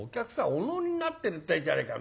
お乗りになってるってんじゃねえか。